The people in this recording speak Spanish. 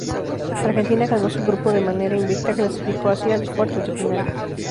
Argentina ganó su grupo de manera invicta clasificó así a los cuartos de final.